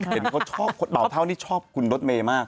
เป็นคนชอบบ่าวเท้านี่ชอบคุณรถเมมาก